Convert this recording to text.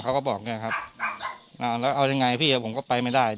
เขาก็บอกเนี่ยครับอ่าแล้วเอายังไงพี่ผมก็ไปไม่ได้